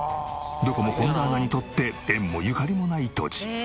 どこも本田アナにとって縁もゆかりもない土地。